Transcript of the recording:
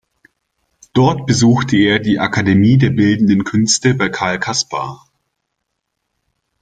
Dort besuchte er die Akademie der Bildenden Künste bei Karl Caspar.